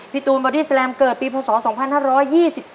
ปีตูนบาร์ดี้๔เกิดปี๒ปี๒๐๑๒